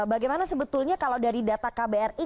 bagaimana sebetulnya kalau dari data kbri